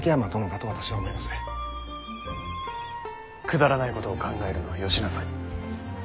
くだらないことを考えるのはよしなさい。